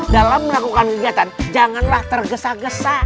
dalam melakukan kegiatan janganlah tergesa gesa